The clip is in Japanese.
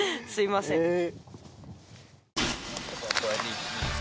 すみません。